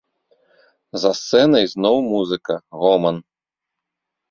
За сцэнай зноў музыка, гоман.